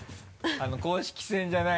公式戦じゃない。